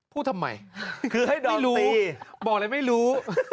พูดทำไมคือให้ดูบอกเลยไม่รู้